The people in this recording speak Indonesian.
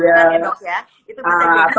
bukan ya dok ya